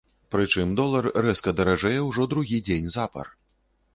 Прычым долар рэзка даражэе ўжо другі дзень запар.